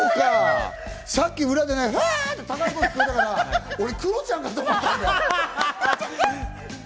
さっき裏でヒュって高い声が聞こえたから、クロちゃんかと思ったのよ。